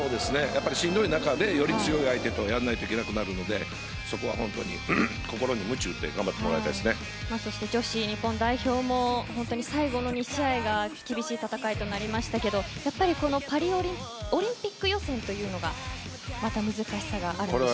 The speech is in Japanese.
しんどい中で、より強い相手とやらないといけなくなるのでそこは本当に心にムチ打ってそして女子日本代表も最後の２試合が厳しい戦いとなりましたけどやっぱりオリンピック予選というのはまた難しさがあるんでしょうか。